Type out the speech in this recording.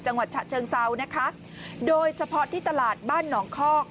จังหวัดฉะเชิงเซานะคะโดยเฉพาะที่ตลาดบ้านหนองคอก